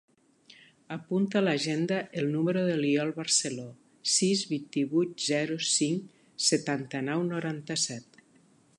Apunta a l'agenda el número de l'Iol Barcelo: sis, vint-i-vuit, zero, cinc, setanta-nou, noranta-set.